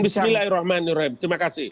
amin bismillahirrahmanirrahim terima kasih